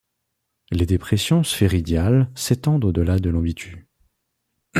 Les dépressions sphéridiales s'étendent au-delà de l'ambitus.